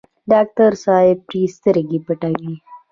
ډاکټر صاحب پرې سترګې پټوي.